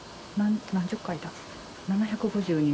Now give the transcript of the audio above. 何十回だ？